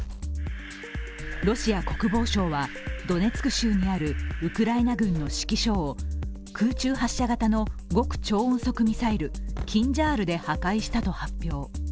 ロシア国防省は、ドネツク州にあるウクライナ軍の指揮所を空中発射型の極超音速ミサイル、キンジャールで破壊したと発表。